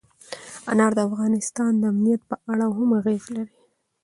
انار د افغانستان د امنیت په اړه هم اغېز لري.